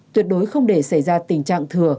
tuyệt đối không để xảy ra tình trạng thừa